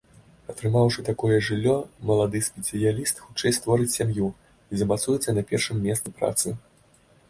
Атрымаўшы такое жыллё, малады спецыяліст хутчэй створыць сям'ю і замацуецца на першым месцы працы.